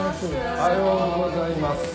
おはようございます。